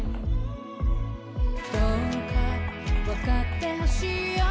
「どうか分かって欲しいよ」